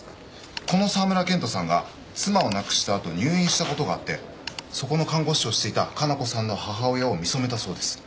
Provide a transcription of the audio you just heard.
この沢村健人さんが妻を亡くしたあと入院したことがあってそこの看護師をしていた加奈子さんの母親を見初めたそうです